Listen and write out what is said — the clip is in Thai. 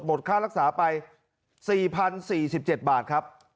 ค่ารักษาไป๔๐๔๗บาทครับ